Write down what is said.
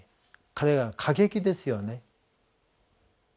彼は過激ですよね。